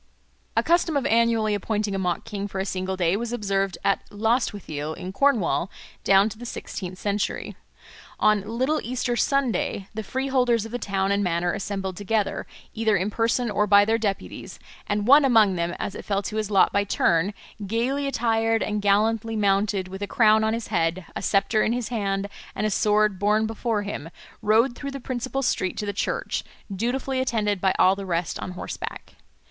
A custom of annually appointing a mock king for a single day was observed at Lostwithiel in Cornwall down to the sixteenth century. On "little Easter Sunday" the freeholders of the town and manor assembled together, either in person or by their deputies, and one among them, as it fell to his lot by turn, gaily attired and gallantly mounted, with a crown on his head, a sceptre in his hand, and a sword borne before him, rode through the principal street to the church, dutifully attended by all the rest on horseback.